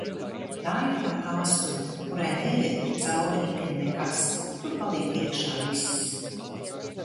Tā ir tā kāstuve, kurai neiet cauri itin nekas, tur paliek iekšā viss.